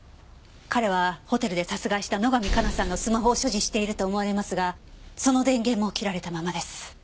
彼はホテルで殺害した野上加奈さんのスマホを所持していると思われますがその電源も切られたままです。